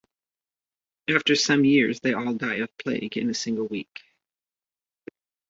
After some years, they all die of plague in a single week.